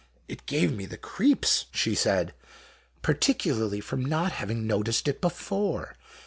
It gave me the creeps," she said, "particularly from not having noticed it before.